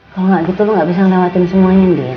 kalau gak gitu lo gak bisa ngelewatin semuanya din